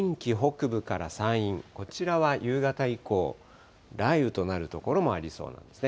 また近畿北部から山陰、こちらは夕方以降、雷雨となる所もありそうなんですね。